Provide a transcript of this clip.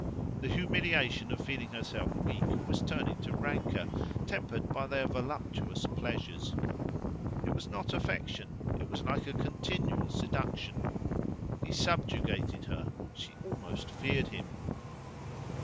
The humiliation of feeling herself weak was turning to rancour, tempered by their voluptuous pleasures. It was not affection; it was like a continual seduction. He subjugated her; she almost feared him.